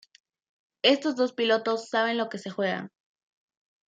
Estos dos pilotos saben lo que se juegan.